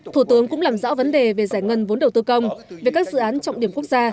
thủ tướng cũng làm rõ vấn đề về giải ngân vốn đầu tư công về các dự án trọng điểm quốc gia